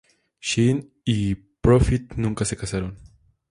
Sheen y Profit nunca se casaron.